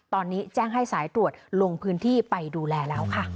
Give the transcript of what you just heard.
ตอนนี้แจ้งให้สายตรวจลงพื้นที่ไปดูแลแล้วค่ะ